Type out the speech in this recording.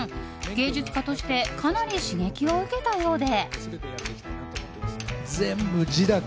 芸術家としてかなり刺激を受けたようで。